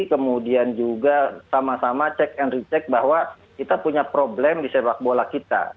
kemudian juga sama sama check and recheck bahwa kita punya problem di sepak bola kita